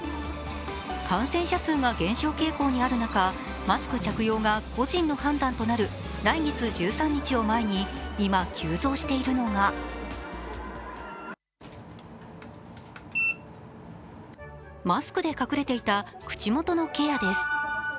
感染者数が減少傾向にある中マスク着用が個人の判断となる来月１３日を前に今、急増しているのがマスクで隠れていた口元のケアです。